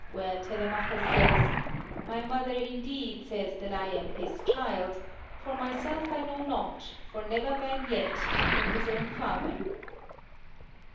216 7), where Telemachus says " My mother indeed says that I am his (child) ; for myself I know not, for 26o CURIOSITIES OF never man yet knew his own father."